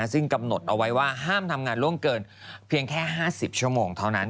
ซึ่งกำหนดเอาไว้ว่าห้ามทำงานล่วงเกินเพียงแค่๕๐ชั่วโมงเท่านั้น